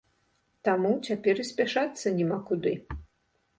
Таму цяпер і спяшацца няма куды.